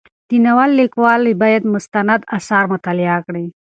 د ناول لیکوال باید مستند اثار مطالعه کړي.